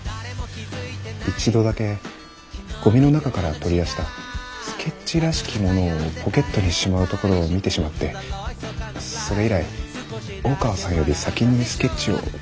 一度だけゴミの中から取り出したスケッチらしきものをポケットにしまうところを見てしまってそれ以来大川さんより先にスケッチを回収してるんです。